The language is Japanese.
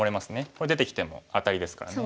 これ出てきてもアタリですからね。